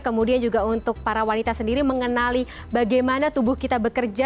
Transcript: kemudian juga untuk para wanita sendiri mengenali bagaimana tubuh kita bekerja